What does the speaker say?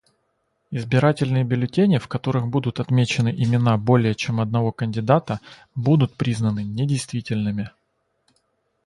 Избирательные бюллетени, в которых будут отмечены имена более чем одного кандидата, будут признаны недействительными.